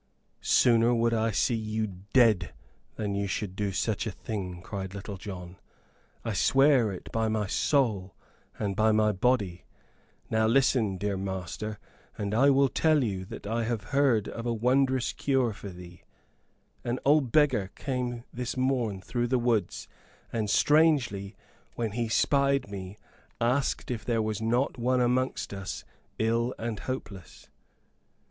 "Sooner would I see you dead than you should do such a thing," cried Little John; "I swear it by my soul and by my body! Now listen, dear master, and I will tell you that I have heard of a wondrous cure for thee. An old beggar came this morn through the woods, and, strangely, when he spied me, asked if there was not one amongst us ill and hopeless."